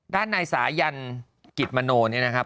ด้านในสายันกิจมโนเนี่ยนะครับ